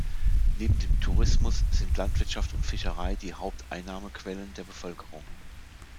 Neben dem Tourismus sind Landwirtschaft und Fischerei die Haupteinnahmequellen der Bevölkerung.